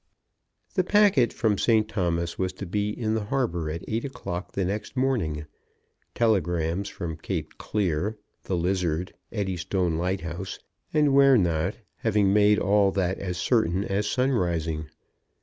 The packet from St. Thomas was to be in the harbour at eight o'clock the next morning, telegrams from Cape Clear, The Lizard, Eddystone Lighthouse, and where not, having made all that as certain as sun rising.